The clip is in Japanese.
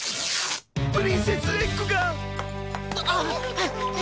プリンセスエッグが！